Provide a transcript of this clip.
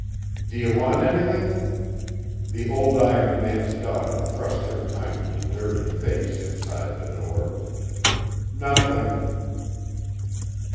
"D'ye want anythin'?" The old iron man's daughter thrusts her kindly, dirty face inside the door. "Nothing."